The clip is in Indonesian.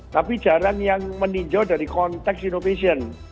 tapi jarang yang meninjau dari konteks innovation